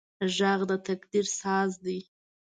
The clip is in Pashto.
غږ د تقدیر ساز دی